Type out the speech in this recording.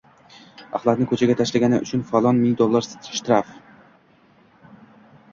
Ahlatni ko‘chaga tashlagani uchun falon ming dollar shtraf